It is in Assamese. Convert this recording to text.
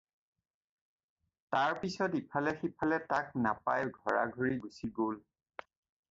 তাৰ পিছত ইফালে-সিফালে তাক নাপাই ঘৰাঘৰি গুচি গ'ল।